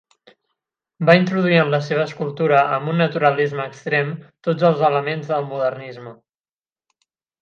Va introduir en la seva escultura, amb un naturalisme extrem, tots els elements del modernisme.